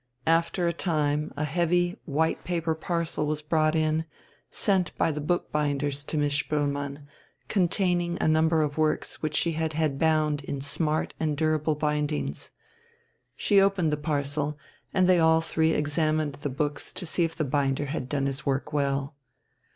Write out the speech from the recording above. After a time a heavy, white paper parcel was brought in, sent by the book binders to Miss Spoelmann, containing a number of works which she had had bound in smart and durable bindings. She opened the parcel, and they all three examined the books to see if the binder had done his work well.